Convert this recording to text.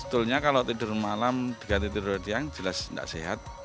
fenomena bekerja di malam hari juga banyak dirasakan para pekerja dari rumah